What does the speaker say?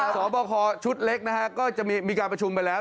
สอบคอชุดเล็กนะฮะก็จะมีการประชุมไปแล้ว